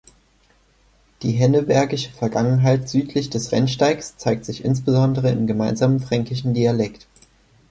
Die hennebergische Vergangenheit südlich des Rennsteigs zeigt sich insbesondere im gemeinsamen fränkischen Dialekt.